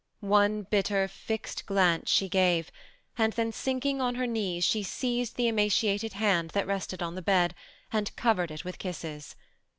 One bitter fixed glance she gave, and then sinkmg on her knees she seized the emaciated hand that rested on the bed, and covered it with kisses.